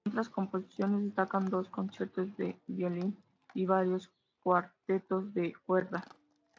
Entre otras composiciones destacan dos conciertos de violín y varios cuartetos de cuerda.